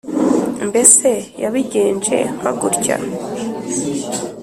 mbese yabigenje nka gutya."